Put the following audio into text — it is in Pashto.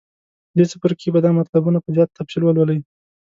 په دې څپرکي کې به دا مطلبونه په زیات تفصیل ولولئ.